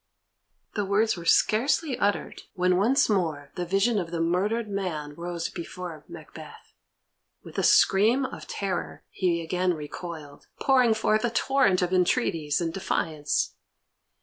The words were scarcely uttered, when once more the vision of the murdered man rose before Macbeth. With a scream of terror he again recoiled, pouring forth a torrent of entreaties and defiance.